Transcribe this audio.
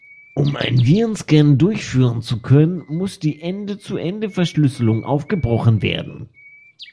Um einen Virenscan durchführen zu können, muss die Ende-zu-Ende-Verschlüsselung aufgebrochen werden.